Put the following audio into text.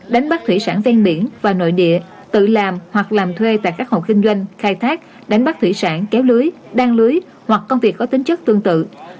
đánh bắt thủy sản ven biển và nội địa tự làm hoặc làm thuê tại các hộ kinh doanh khai thác đánh bắt thủy sản kéo lưới đăng lưới hoặc công việc có tính chất tương tự